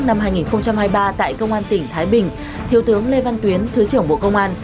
năm hai nghìn hai mươi ba tại công an tỉnh thái bình thiếu tướng lê văn tuyến thứ trưởng bộ công an